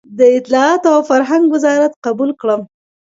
د اطلاعاتو او فرهنګ وزارت قبول کړم.